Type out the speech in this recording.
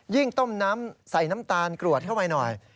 ต้มน้ำใส่น้ำตาลกรวดเข้าไปหน่อย